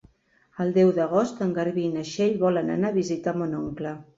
El deu d'agost en Garbí i na Txell volen anar a visitar mon oncle.